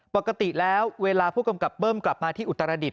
ปกติแล้วเวลาผู้กำกับเบิ้มกลับมาที่อุตรดิษ